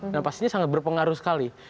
dan pastinya sangat berpengaruh sekali